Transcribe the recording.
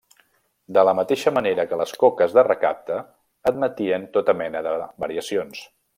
De la mateixa manera que les coques de recapte, admetien tota mena de variacions.